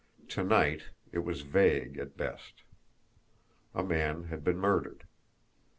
To night, it was vague at best. A man had been murdered.